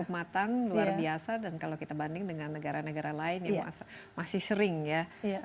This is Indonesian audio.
matang luar biasa dan kalau kita banding dengan negara negara lain yang masih sering ya